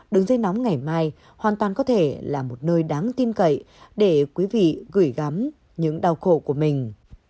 đường dây nóng ngày mai hoàn toàn có thể là một nơi đáng tin cậy để quý vị gửi gắm những đau khổ của mình